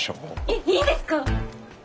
えっいいんですか？